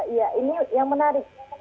iya ini yang menarik